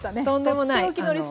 とんでもない。